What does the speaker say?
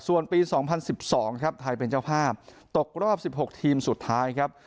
ส่วนปี๒๐๑๒ครับไทยเป็นเจ้าภาพตกรอบ๑๖ทีมสุดท้ายครับ